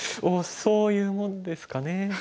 そういうもんですかね。